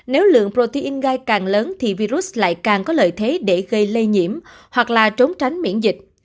nếu lượng protein gai càng lớn thì virus lại càng có lợi thế để gây lây nhiễm hoặc là trốn tránh miễn dịch